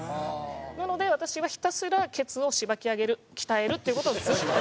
なので私はひたすらケツをシバき上げる鍛えるっていう事をずっと。